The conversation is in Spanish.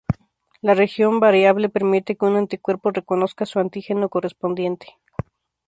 La región variable permite que un anticuerpo reconozca su antígeno correspondiente.